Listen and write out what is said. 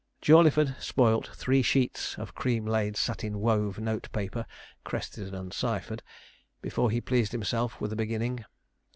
Jawleyford spoilt three sheets of cream laid satin wove note paper (crested and ciphered) before he pleased himself with a beginning.